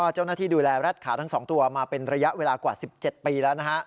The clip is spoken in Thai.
เจ้าหน้าที่ดูแลแร็ดขาทั้ง๒ตัวมาเป็นระยะเวลากว่า๑๗ปีแล้วนะฮะ